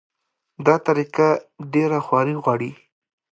دا طریقه ډېره خواري غواړي.